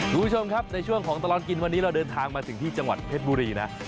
คุณผู้ชมครับในช่วงของตลอดกินวันนี้เราเดินทางมาถึงที่จังหวัดเพชรบุรีนะ